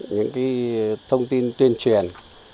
những thông tin tuyên truyền